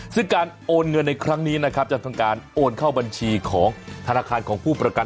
ซึ่งการโอนเงินในครั้งนี้นะครับจะทำการโอนเข้าบัญชีของธนาคารของผู้ประกัน